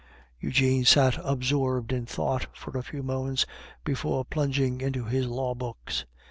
Eugene sat absorbed in thought for a few moments before plunging into his law books.